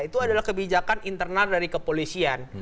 itu adalah kebijakan internal dari kepolisian